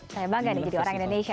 saya bangga nih jadi orang indonesia